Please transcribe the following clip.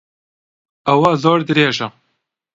ئەوە زۆر درێژە.